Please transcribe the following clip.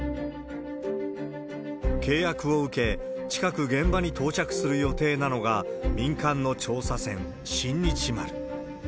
契約を受け、近く現場に到着する予定なのが、民間の調査船、新日丸。